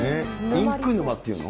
インク沼っていうの？